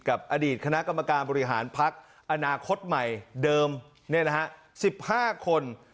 อดีตคณะกรรมการบริหารพักอนาคตใหม่เดิม๑๕คน